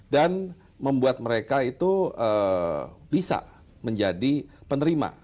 dan membuat mereka itu bisa menjadi penerima